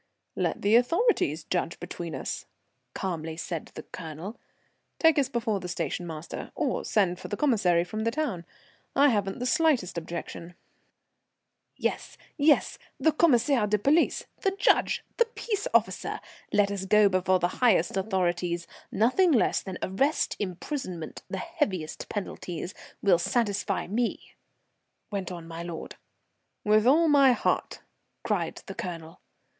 "Let the authorities judge between us," calmly said the Colonel. "Take us before the station master, or send for the Commissary from the town. I haven't the slightest objection." "Yes, yes, the Commissaire de police, the judge, the peace officer. Let us go before the highest authorities; nothing less than arrest, imprisonment, the heaviest penalties, will satisfy me," went on my lord. "With all my heart," cried the Colonel.